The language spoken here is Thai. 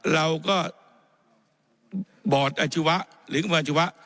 เราก็บอร์ดอาชีวะหรือกลุ่มอาชีวะ